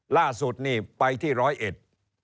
ล่าสุดนี่ไปที่ร้อยเอ็ด